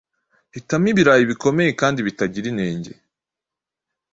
Hitamo ibirayi bikomeye kandi bitagira inenge